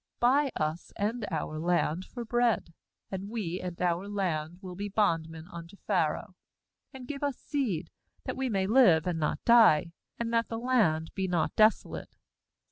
buy us and our land for bread, and we and our land will be bondmen unto Pharaoh; and give us seed, that we may live, and not die, and that the land be not desolate.'